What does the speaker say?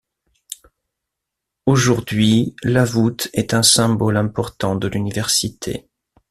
Aujourd'hui, la voûte est un symbole important de l'université.